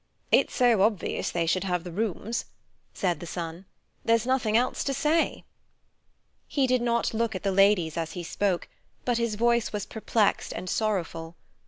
"It's so obvious they should have the rooms," said the son. "There's nothing else to say." He did not look at the ladies as he spoke, but his voice was perplexed and sorrowful.